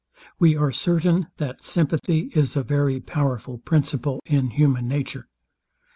We are certain, that sympathy is a very powerful principle in human nature.